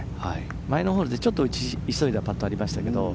前のホールでちょっと打ち急いだパットありましたけど